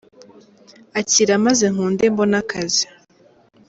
- akira, maze nkunde mbone akazi.